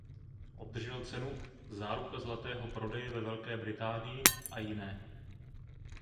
Obdržel cenu „Záruka zlatého prodeje ve Velké Británii“ a jiné.